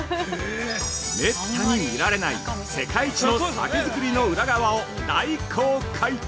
◆めったに見られない世界一の酒造りの裏側を大公開！